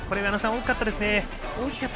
大きかったですね。